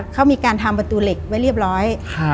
เขามีการทำประตูเหล็กไว้เรียบร้อย